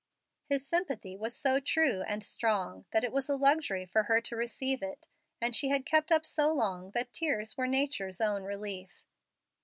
His sympathy was so true and strong that it was a luxury for her to receive it; and she had kept up so long that tears were nature's own relief.